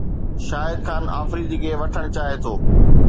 شاهد خان آفريدي کي وٺڻ چاهي ٿو